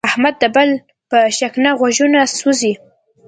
احمد د بل په شکنه غوږونه سوزي.